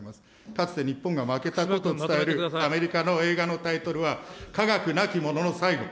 かつて日本が負けたと伝えるアメリカの映画のタイトルは、科学なきものの最後。